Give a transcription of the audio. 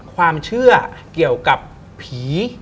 ความเชื่อเกี่ยวกับผี